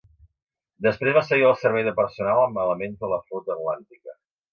Després va seguir el servei de personal amb elements de la Flota Atlàntica.